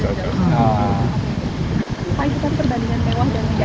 ini campur ya nggak tahu